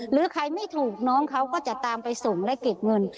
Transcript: หรือใครไม่ถูกน้องเขาก็จะตามไปส่งและเก็บเงิน